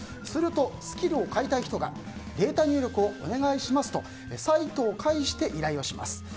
すると、スキルを買いたい人がデータ入力をお願いしますとサイトを介して依頼をします。